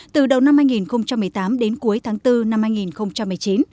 từ đầu năm hai nghìn một mươi tám đến cuối tháng bốn năm hai nghìn một mươi chín